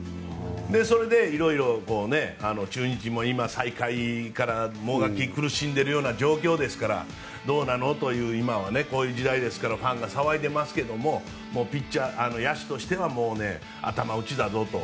それで色々、中日も今、最下位からもがき苦しんでるような状況ですからどうなの？という今はこういう時代ですからファンが騒いでますけど野手としてはもう頭打ちだぞと。